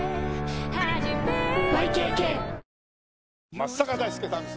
松坂大輔さんです